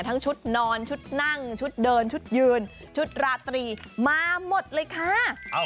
ทั้งชุดนอนชุดนั่งชุดเดินชุดยืนชุดราตรีมาหมดเลยค่ะ